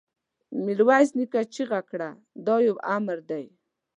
ميرويس نيکه چيغه کړه! دا يو امر دی!